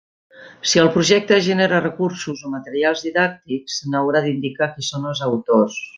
Si el projecte genera recursos o materials didàctics se n'haurà d'indicar qui són els autors.